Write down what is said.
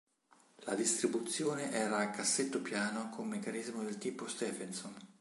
La distribuzione era a cassetto piano con meccanismo del tipo Stephenson.